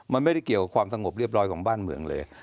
มันไม่ได้เกี่ยวกับความสงบเรียบร้อยของบ้านเมืองเลย